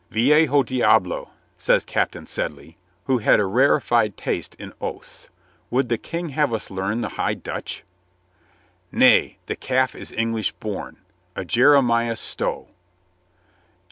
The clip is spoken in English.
"Vie jo diablo" says Captain Sedley, who had a rarefied taste in oaths, "would the King have us learn the high Dutch?'" "Nay; the calf is English born. A Jeremiah Stow."